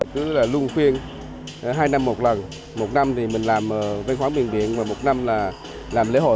chúng tôi luôn khuyên hai năm một lần một năm thì mình làm văn hóa miền biển và một năm là làm lễ hội